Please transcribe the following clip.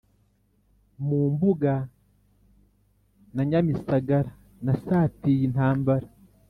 Mu Mbuga na Nyamisagara nasatiye intambara